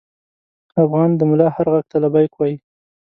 افغان د ملا هر غږ ته لبیک وايي.